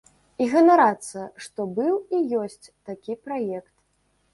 І ганарацца, што быў і ёсць такі праект.